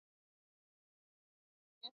oka keki ya viazi lishe